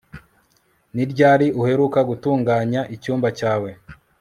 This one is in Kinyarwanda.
Ni ryari uheruka gutunganya icyumba cyawe